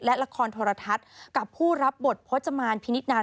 และละครโทรทัศน์กับผู้รับบทพจมานพินิษฐนาน